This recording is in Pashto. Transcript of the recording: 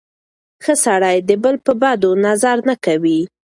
ښه سړی د بل په بدو نظر نه کوي.